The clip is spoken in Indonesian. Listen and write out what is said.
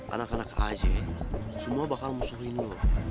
anak anak aja semua bakal musuhin lo